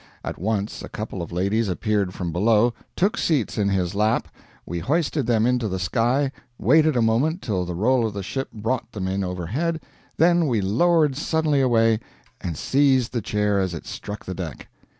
At once a couple of ladies appeared from below, took seats in his lap, we hoisted them into the sky, waited a moment till the roll of the ship brought them in overhead, then we lowered suddenly away, and seized the chair as it struck the deck.